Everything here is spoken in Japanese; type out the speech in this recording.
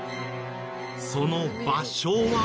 その場所は。